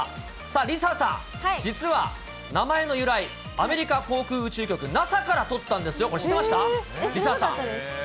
梨紗さん、実は名前の由来、アメリカ航空宇宙局・ＮＡＳＡから取ったんですよ、これ、知って知らなかったです。